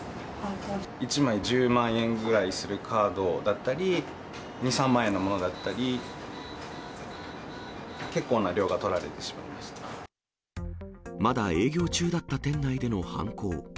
１枚１０万円ぐらいするカードだったり、２、３万円のものだったり、まだ営業中だった店内での犯行。